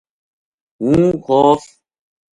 ہوں خوف